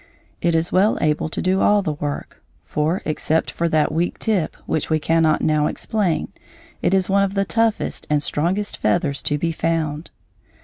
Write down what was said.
It is well able to do all the work; for, except for that weak tip which we cannot now explain, it is one of the toughest and strongest feathers to be found.